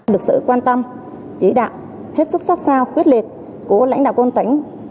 được sự quan tâm chỉ đạo hết sức sắc sao quyết liệt của lãnh đạo công an tỉnh